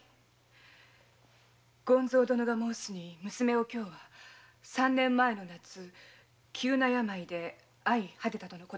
権造殿が申すに娘お京は三年前の夏急な病で相果てたとの事。